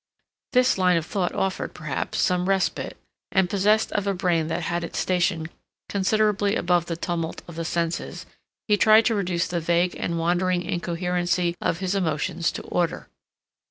This line of thought offered, perhaps, some respite, and possessed of a brain that had its station considerably above the tumult of the senses, he tried to reduce the vague and wandering incoherency of his emotions to order.